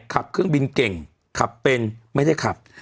ขับเครื่องบินเก่งขับเป็นไม่ได้ขับ